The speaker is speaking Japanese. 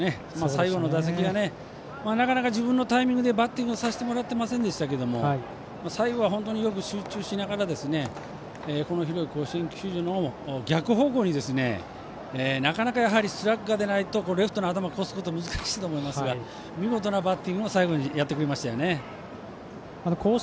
最後の打席は、なかなか自分のタイミングでバッティングさせてもらってませんでしたが最後は本当によく集中しながらこの広い甲子園球場の逆方向になかなかスラッガーでないとレフトの頭越すことできないと思いますが見事なバッティングを最後にやってくれましたよね。